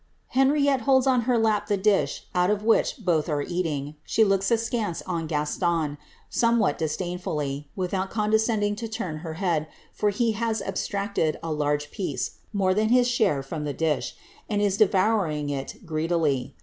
IIenric?tte holds on her lap the dish, out of which both are eating; she looks askance on Gaston, Somewhat disdainfully, without condescending to turn her head, for he has absinicie<l a larcre piece, more than his share, from the disli. and is dfvoiirinjr it greedily.